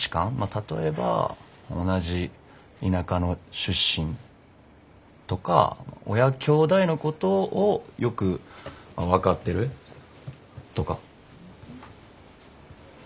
例えば同じ田舎の出身とか親兄弟のことをよく分かってるとか。